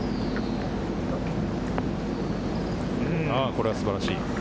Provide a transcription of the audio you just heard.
これは素晴らしい！